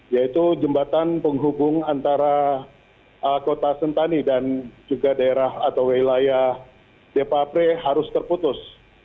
yaitu jembatan penghubung antara kota sentani dan juga daerah atau wilayah depapre harus terputus